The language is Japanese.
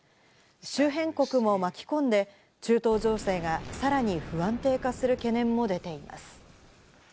周辺国も巻き込んで中東情勢がさらに不安定化する懸念も出ています。